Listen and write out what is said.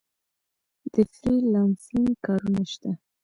د فری لانسینګ کارونه شته؟